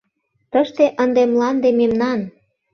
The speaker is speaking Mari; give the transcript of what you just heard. Тыште ынде мланде мемнан!